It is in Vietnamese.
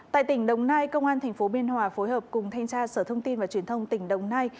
tại tỉnh đồng nai công an tp biên hòa phối hợp cùng thanh tra sở thông tin và truyền thông tỉnh đồng nai